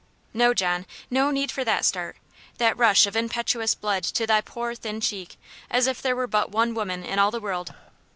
No, John no need for that start that rush of impetuous blood to thy poor thin cheek, as if there were but one woman in all the world.